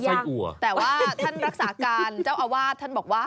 แต่ว่าท่านรักษาการเจ้าอาวาสท่านบอกว่า